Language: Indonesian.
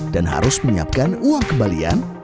dan harus menyiapkan uang kembalian